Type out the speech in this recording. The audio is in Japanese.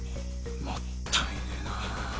もったいねぇなぁ。